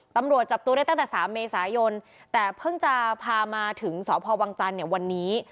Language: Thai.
ตำรวจจับตัวได้ตั้งแต่๓เมษายนแต่เพิ่งจะพามาถึงสพวังจันทร์เนี่ยวันนี้